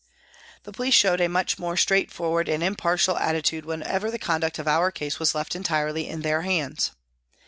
The police showed a much more straightforward and impartial attitude when ever the conduct of our case was left entirely in their hands.